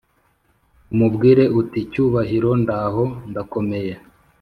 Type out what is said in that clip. umubwire uti cyubahiro ndaho ndakomeye"